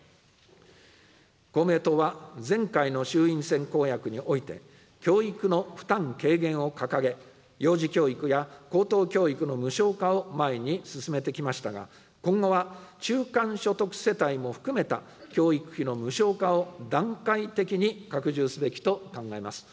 公明党は前回の衆院選公約において、教育の負担軽減を掲げ、幼児教育や高等教育の無償化を前に進めてきましたが、今後は中間所得世帯も含めた、教育費の無償化を段階的に拡充すべきと考えます。